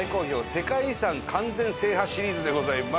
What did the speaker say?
世界遺産完全制覇シリーズでございます。